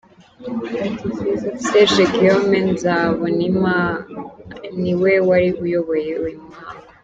: Serge Guillaume Nzabonimba niwe wari uyoboye uyu muhango.